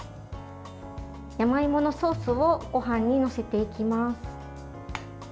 山芋のソースをごはんに載せていきます。